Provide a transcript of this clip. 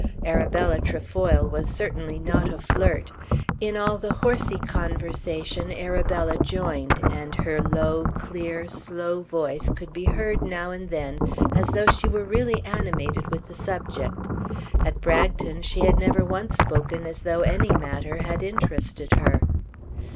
Arabella Trefoil was certainly not a flirt. In all the horsey conversation Arabella joined, and her low, clear, slow voice could be heard now and then as though she were really animated with the subject. At Bragton she had never once spoken as though any matter had interested her.